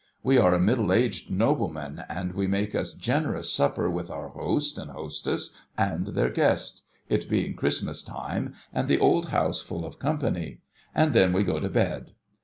We are a middle aged nobleman, and we make a generous supper with our host and hostess and their guests — it being Christmas time, and the old house full of company — and then we go to bed.